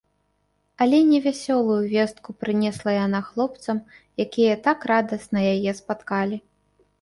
Але не вясёлую вестку прынесла яна хлопцам, якія так радасна яе спаткалі.